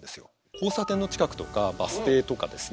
交差点の近くとかバス停とかですね